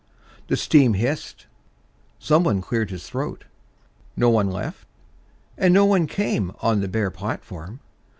The steam hissed. Someone cleared his throat. No one left and no one came On the bare platform.